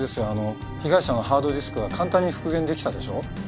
あの被害者のハードディスクが簡単に復元できたでしょう？